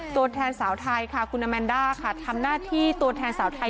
ตัวแทนสาวไทยค่ะคุณอแมนด้าค่ะทำหน้าที่ตัวแทนสาวไทย